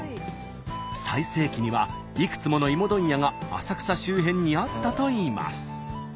最盛期にはいくつものいも問屋が浅草周辺にあったといいます。